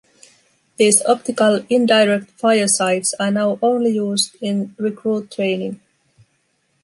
These optical indirect fire sights are now only used in recruit training.